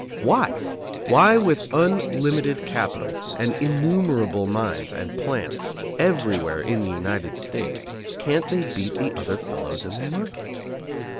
Why? Why, with unlimited capital and innumerable mines and plants everywhere in the United States, can't they beat the other fellows in the market?